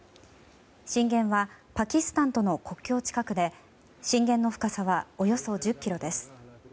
震源はパキスタンとの国境近くで震源の深さはおよそ１０ｋｍです。